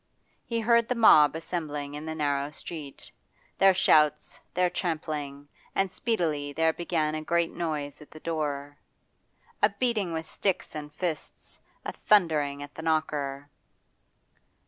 He heard the mob assembling in the narrow street, their shouts, their trampling, and speedily there began a great noise at the door. A beating with sticks and fists, a thundering at the knocker.